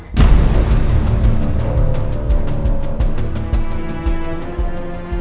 rumah tanganya manin jalan pulang